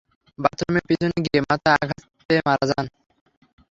বাথরুমে পিছলে গিয়ে মাথায় আঘাত পেয়ে মারা গেছে।